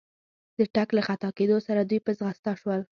د ټک له خطا کېدو سره دوی په ځغستا شول.